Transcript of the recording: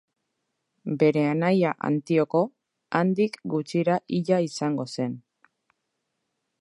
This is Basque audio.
Bere anaia Antioko, handik gutxira hila izango zen.